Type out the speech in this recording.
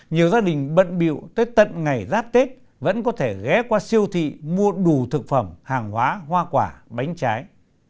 nhiều gia đình bận biệu tới tận ngày giáp tết vẫn có thể ghé qua siêu thị mua đủ thực phẩm hàng hóa hoa quả bánh trái